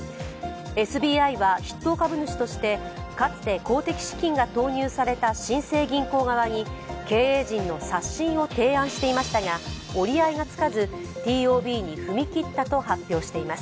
ＳＢＩは、筆頭株主として、かつて公的資金が投入された新生銀行側に経営陣の刷新を提案していましたが折り合いがつかず、ＴＯＢに踏み切ったと発表しています。